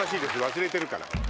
忘れてるから。